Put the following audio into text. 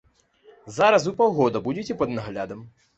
Зараз вы паўгода будзеце пад наглядам.